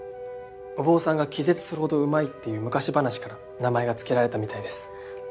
お坊さんが気絶するほどうまいっていう昔話から名前が付けられたみたいです。